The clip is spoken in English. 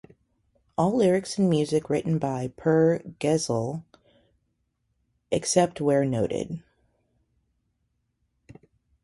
All lyrics and music written by Per Gessle, except where noted.